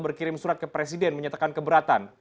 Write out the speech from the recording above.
berkirim surat ke presiden menyatakan keberatan